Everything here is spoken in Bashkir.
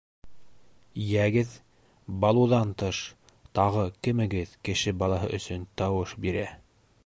Йәгеҙ, Ба-луҙан тыш, тағы кемегеҙ кеше балаһы өсөн тауыш бирә?